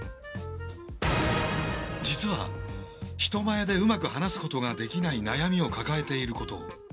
実は人前でうまく話すことができない悩みを抱えていることを。